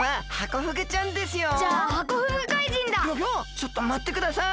ちょっとまってください！